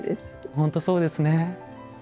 本当そうですね。